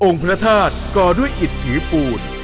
องค์พระธาตุก่อด้วยอิตถีปูน